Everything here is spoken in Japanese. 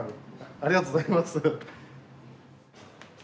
ありがとうございます。